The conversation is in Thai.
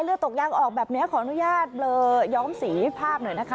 เลือดตกย้างออกแบบนี้ขออนุญาตเตรียมสีภาพหน่อยนะคะ